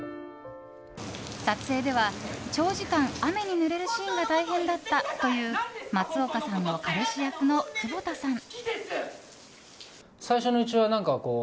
撮影では長時間、雨にぬれるシーンが大変だったという松岡さんの彼氏役の窪田さん。